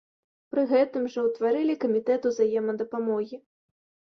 Пры гэтым жа ўтварылі камітэт узаемадапамогі.